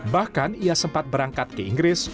bahkan ia sempat berangkat ke inggris